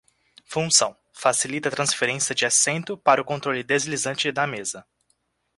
Função: facilita a transferência de assento para o controle deslizante na mesa.